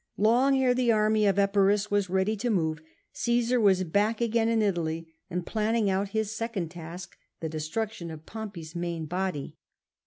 Long ere the army of Epirus was ready to move, Osesar was back again in Italy and planning out his second task, the destruction of Pompoy's main body.